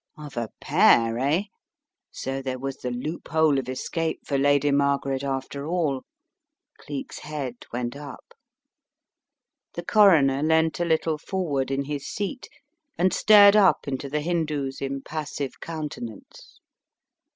Of a pair, eh? So there was the loophole of escape for Lady Margaret after all. Cleek's head went up. The coroner leant a little forward in his seat and stared up into the Hindoo's impassive countenance.